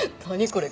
これ。